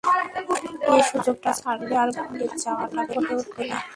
এ সুযোগটা ছাড়লে আর বিলেত যাওয়াটা ঘটে উঠবে না।